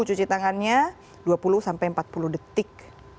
cuci tangannya dua puluh sampai empat puluh detik